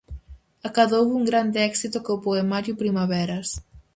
Acadou un grande éxito co poemario "Primaveras".